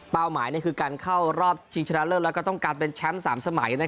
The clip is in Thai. เป้าหมายก็คือการเข้ารอบชิงชนะเลิศแล้วก็การกับเป็นแชมป์สามสมัย